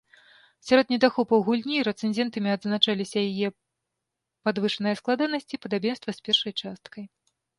Сярод недахопаў гульні рэцэнзентамі адзначаліся яе падвышаная складанасць і падабенства з першай часткай.